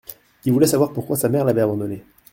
Il voulait savoir pourquoi sa mère l'avait abandonné.